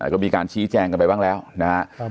ก็มีการชี้แจงกันไปบ้างแล้วนะครับ